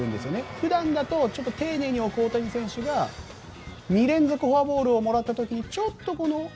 普段だと丁寧に置く大谷選手が２連続フォアボールをもらった時にちょっと。